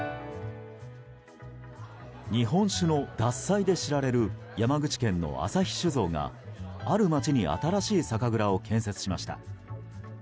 日本酒の獺祭で知られる山口県の旭酒造がある街に新しい酒蔵を建設しました。